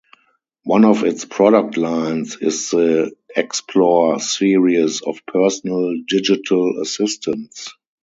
One of its product lines is the Xplore series of personal digital assistants.